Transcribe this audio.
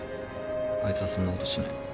あいつはそんなことしない。